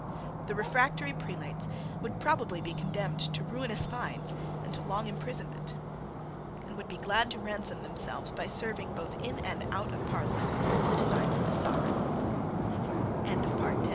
The refractory prelates would probably be condemned to ruinous fines and to long imprisonment, and would be glad to ransom themselves by serving, both in and out of Parliament, the designs of the Sover